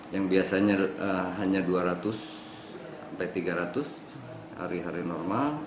yang biasanya hanya dua ratus sampai tiga ratus hari hari normal